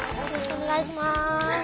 お願いします。